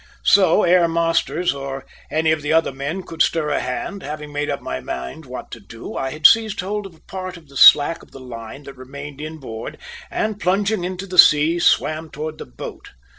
So, ere Masters or any of the other men could stir a hand, having made up my mind what to do, I had seized hold of part of the slack of the line that remained inboard and, plunging into the sea, swam towards the boat.